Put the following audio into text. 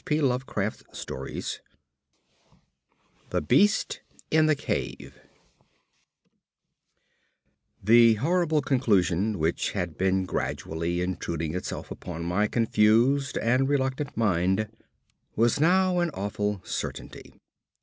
P. Lovecraft The Beast in the Cave The horrible conclusion which had been gradually intruding itself upon my confused and reluctant mind was now an awful certainty.